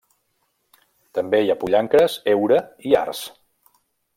També hi ha pollancres, heura i arç.